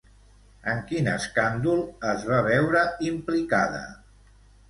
En quin escàndol es va veure implicada?